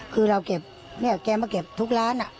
คือเราเก็บเนี่ยแกมาเก็บทุกร้าน